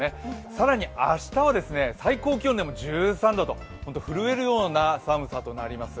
更に明日は最高気温でも１３度と震えるような寒さとなります。